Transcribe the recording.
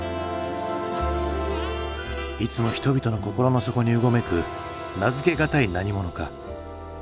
いつも人々の心の底にうごめく名付け難い何者かサブカルチャー。